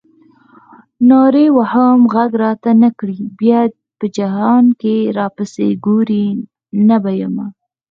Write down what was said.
نارې وهم غږ راته نه کړې بیا به جهان راپسې ګورې نه به یمه.